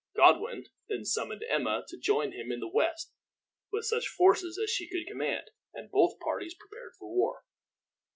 Godwin then summoned Emma to join him in the west with such forces as she could command, and both parties prepared for war.